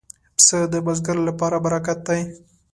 پسه د بزګر لپاره برکت دی.